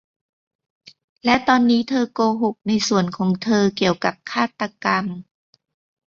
และตอนนี้เธอโกหกในส่วนของเธอเกี่ยวกับฆาตกรรม